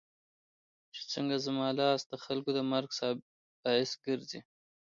چې څنګه زما لاس دخلکو د مرګ باعث ګرځي